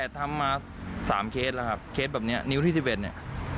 ทำมาสามเคสแล้วครับเคสแบบเนี้ยนิ้วที่สิบเอ็ดเนี้ย